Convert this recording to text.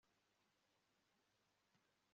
Nta mukunzi urira mbabajwe nuwasigaye